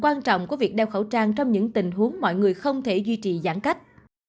quan trọng của việc đeo khẩu trang trong những tình huống mọi người không thể duy trì giãn cách